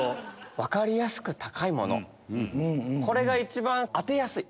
分かりやすく高いものこれが一番当てやすい。